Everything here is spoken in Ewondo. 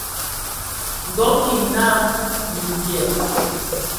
Nkɔg kig naa : "Mimbyɛ".